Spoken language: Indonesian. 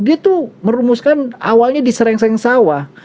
dia tuh merumuskan awalnya di serengseng sawah